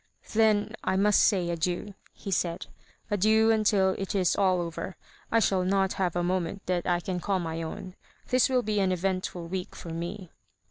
" Then I must say adieu," he said — "adieu until it is aU over. I shall not have a moment that I can call my own—this will be an eventful week for me."